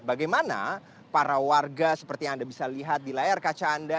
bagaimana para warga seperti yang anda bisa lihat di layar kaca anda